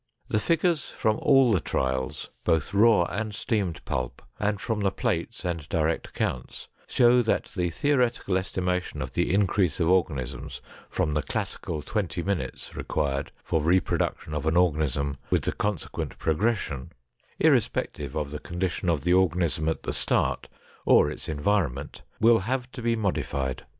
The figures from all the trials, both raw and steamed pulp, and from the plates and direct counts, show that the theoretical estimation of the increase of organisms from the classic twenty minutes required for reproduction of an organism with the consequent progression, irrespective of the condition of the organism at the start, or its environment, will have to be modified.